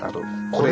これ？